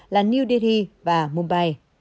là new delhi và mumbai